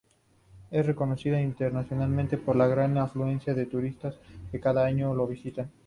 Es reconocida internacionalmente por la gran afluencia de turistas que cada año la visitan.